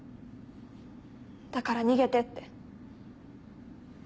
だから逃げてって。